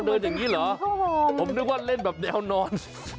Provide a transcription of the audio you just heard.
เดินอย่างนี้เหรอผมนึกว่าเล่นแบบแนวนอน